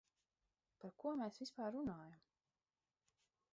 Par ko mēs vispār runājam?